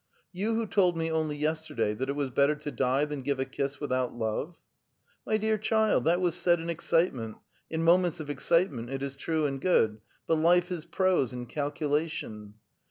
'*You who told me only yesterday that it was better to die than give a kiss without love ?"" My dear child, that was said in excitement : in moments of excitement it is true and good. But life is prose and calculation.